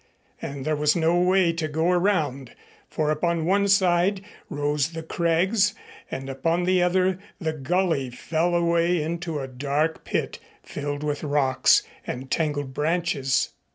And there was no way to go around, for upon one side rose the crags and upon the other the gully fell away into a dark pit filled with rocks and tangled branches.